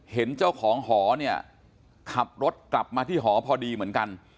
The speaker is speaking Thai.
เห็นเจ้าของหอเนี่ยขับรถกลับมาที่หอพอดีเหมือนกัน